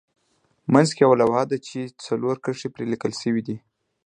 منځ کې یوه لوحه ده چې څلور کرښې پرې لیکل شوې دي.